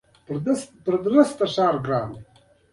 سړى د مشرانو لاسونه ښکلوي.